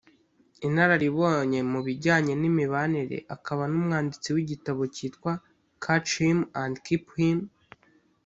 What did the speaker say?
Inararibonye mu bijyanye n’imibanire akaba n’umwanditsi w’igitabo cyitwa ’Catch Him and Keep Him’